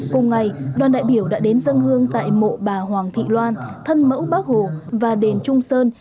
cùng ngày đoàn đại biểu đã đến dân hương tại mộ bà hoàng thị loan thân mẫu bác hồ và đền trung sơn